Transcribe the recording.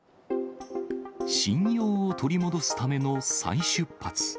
信用を取り戻すための再出発。